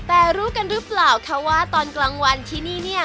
แต่รู้กันหรือเปล่าคะว่าตอนกลางวันที่นี่เนี่ย